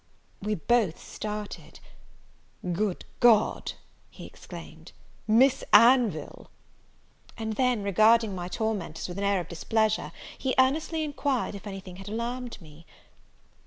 We both started; "Good God!" he exclaimed, "Miss Anville!" and then, regarding my tormentors with an air of displeasure, he earnestly enquired, if any thing had alarmed me?